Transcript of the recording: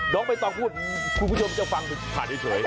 ไม่ต้องพูดคุณผู้ชมจะฟังผ่านเฉย